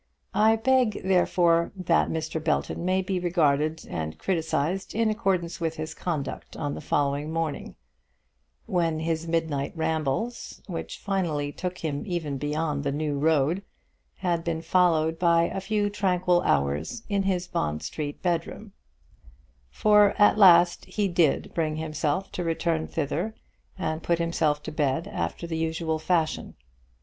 I beg, therefore, that Mr. Belton may be regarded and criticised in accordance with his conduct on the following morning, when his midnight rambles, which finally took him even beyond the New Road, had been followed by a few tranquil hours in his Bond Street bedroom: for at last he did bring himself to return thither and put himself to bed after the usual fashion.